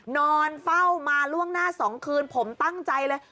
นอนเฝ้ามาล่วงหน้า๒คืนผมตั้งใจเลย